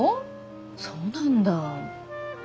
そうなんだ。